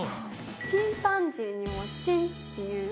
「チンパンジー」にも「チン」っていう。